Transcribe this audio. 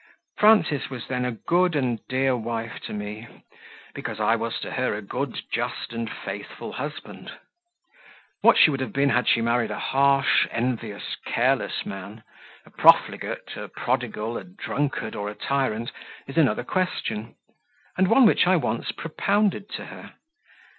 Frances was then a good and dear wife to me, because I was to her a good, just, and faithful husband. What she would have been had she married a harsh, envious, careless man a profligate, a prodigal, a drunkard, or a tyrant is another question, and one which I once propounded to her.